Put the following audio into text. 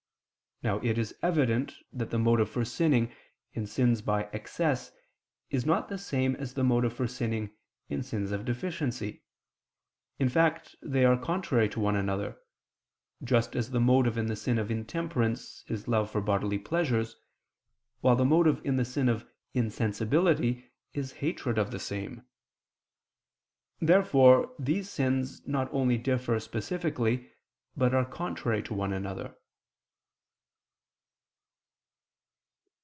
Now it is evident that the motive for sinning, in sins by excess, is not the same as the motive for sinning, in sins of deficiency; in fact, they are contrary to one another, just as the motive in the sin of intemperance is love for bodily pleasures, while the motive in the sin of insensibility is hatred of the same. Therefore these sins not only differ specifically, but are contrary to one another.